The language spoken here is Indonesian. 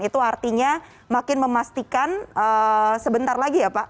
itu artinya makin memastikan sebentar lagi ya pak